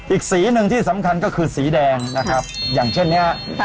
อีกสีหนึ่งที่สำคัญก็คือสีแดงนะครับอย่างเช่นนี้